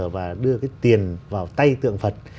và đưa cái tiền vào tay tượng phật